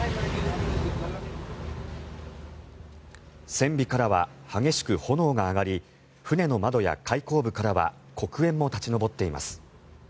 船尾からは激しく炎が上がり船の窓や開口部からは黒煙も立ち上っています。